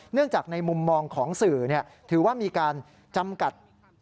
เนื่องจากในมุมมองของสื่อถือว่ามีการจำกัด